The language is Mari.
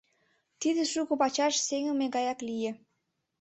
Тиде шуко пачаш сеҥыме гаяк лие.